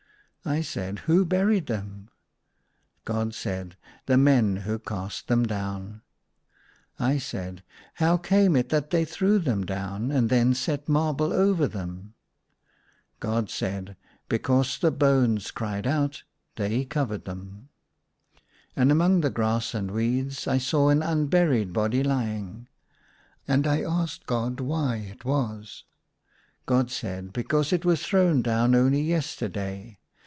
I said, '• Who buried them ?". God said, "The men who cast them down." 148 THE SUNLIGHT LA V I said, " How came it that they threw them down, and then set marble over them ?" God said, " Because the bones cried out, they covered them." And among the grass and weeds I saw an unburied body lying ; and I asked God why it was. God said, " Because it was thrown down only yesterday.